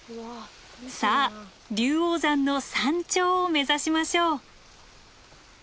さあ龍王山の山頂を目指しましょう。